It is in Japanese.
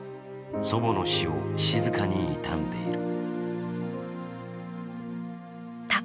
祖母の死を静かに悼んでいる。